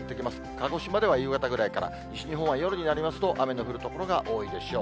鹿児島では夕方ぐらいから、西日本では夜になりますと、雨の降る所が多いでしょう。